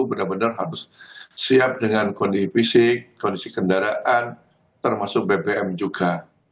benar benar harus siap dengan kondisi fisik kondisi kendaraan termasuk bbm juga